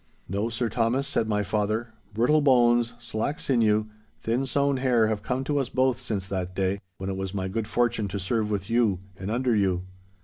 'No, Sir Thomas,' said my father, 'brittle bones, slack sinew, thin sown hair have come to us both since that day, when it was my good fortune to serve with you and under you.